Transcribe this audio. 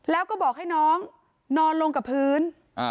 แล้วก็บอกให้น้องนอนลงกับพื้น